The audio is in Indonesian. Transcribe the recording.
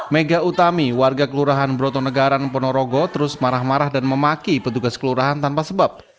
mega utami warga kelurahan broto negaran ponorogo terus marah marah dan memaki petugas kelurahan tanpa sebab